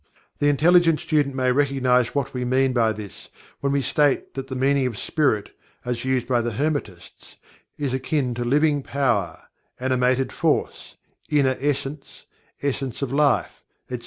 The intelligent student may recognize what we mean by this when we state that the meaning of "Spirit" as used by the Hermetists is akin to "Living Power"; "Animated Force;" "Inner Essence;" "Essence of Life," etc.